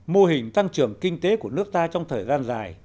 mô hình tăng trưởng kinh tế của nước ta trong thời gian dài